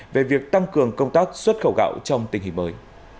về việc tăng cường công tác xuất khẩu gạo trong tình hình mới